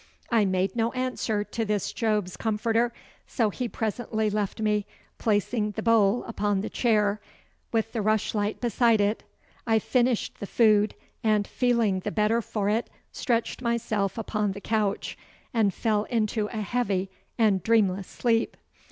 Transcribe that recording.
I made no answer to this Job's comforter, so he presently left me, placing the bowl upon the chair, with the rushlight beside it. I finished the food, and feeling the better for it, stretched myself upon the couch, and fell into a heavy and dreamless sleep.